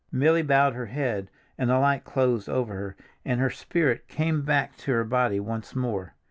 Milly bowed her head and the light closed over her and her spirit came back to her body once more.